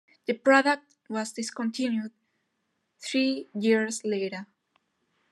The product was discontinued three years later.